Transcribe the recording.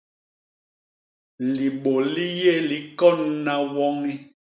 Libô li yé likonna woñi.